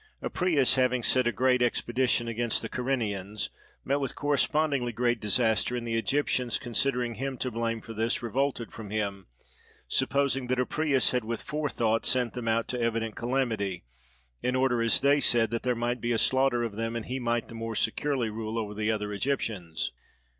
Apries having sent a great expedition against the Kyrenians, met with correspondingly great disaster; and the Egyptians considering him to blame for this revolted from him, supposing that Apries had with forethought sent them out to evident calamity, in order (as they said) that there might be a slaughter of them, and he might the more securely rule over the other Egyptians.